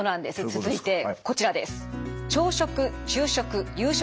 続いてこちらです。